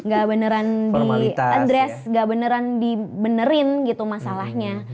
gak beneran diadres gak beneran di benerin gitu masalahnya